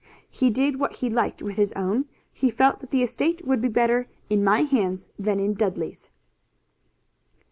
He did what he liked with his own. He felt that the estate would be better in my hands than in Dudley's."